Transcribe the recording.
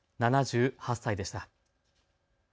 ７８歳でした。